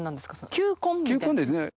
球根ですね。